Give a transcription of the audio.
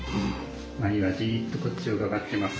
まりはじっとこっちをうかがってます。